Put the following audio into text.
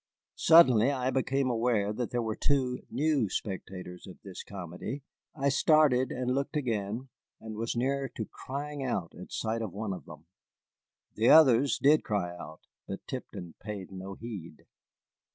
Suddenly I became aware that there were two new spectators of this comedy. I started and looked again, and was near to crying out at sight of one of them. The others did cry out, but Tipton paid no heed.